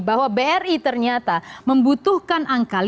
bahwa bri ternyata membutuhkan angka